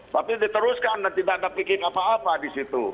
tapi diteruskan dan tidak ada pikir apa apa di situ